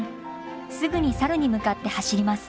すぐにサルに向かって走ります。